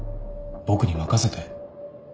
僕に任せて。